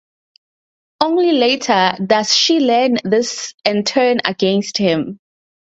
Only later does she learn this and turn against him.